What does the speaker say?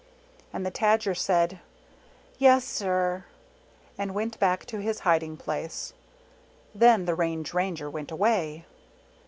And the Tadger said, " Yes, sir," and went back to his hiding place. Then the Range Ranger went away.